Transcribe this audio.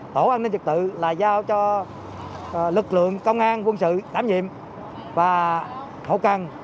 tổ an ninh trật tự là giao cho lực lượng công an quân sự đảm nhiệm và hậu cần